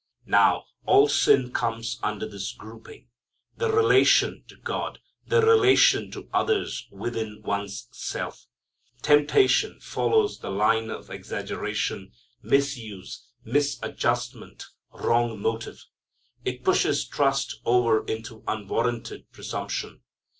Now all sin comes under this grouping, the relation to God, the relation to others, within one's self. Temptation follows the line of exaggeration, misuse, misadjustment, wrong motive. It pushes trust over into unwarranted presumption.